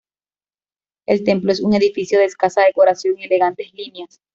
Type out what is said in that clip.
El templo es un edificio de escasa decoración y elegantes líneas.